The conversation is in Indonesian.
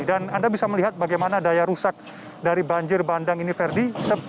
dan anda bisa melihat bagaimana daya rusak dari banjir bandang ini ferdi